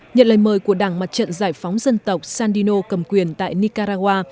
nhận lời mời của đảng mặt trận giải phóng dân tộc sandino cầm quyền tại nicaragua